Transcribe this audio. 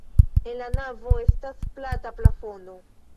En la navo estas plata plafono.